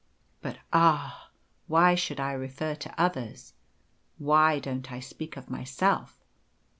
But ah! why should I refer to others? Why don't I speak of myself?